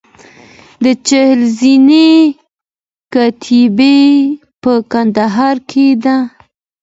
د چهل زینې کتیبه په کندهار کې ده